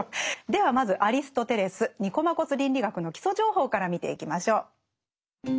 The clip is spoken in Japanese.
ではまずアリストテレス「ニコマコス倫理学」の基礎情報から見ていきましょう。